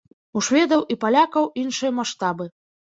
У шведаў і палякаў іншыя маштабы.